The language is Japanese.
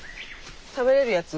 食べれるやつ？